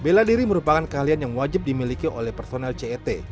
bela diri merupakan keahlian yang wajib dimiliki oleh personel cet